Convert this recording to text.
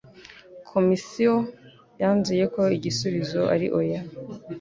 Komisiyo yanzuye ko igisubizo ari oya